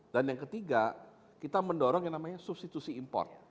dan yang ketiga kita mendorong yang namanya substitusi import